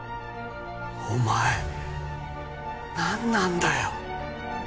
お前何なんだよ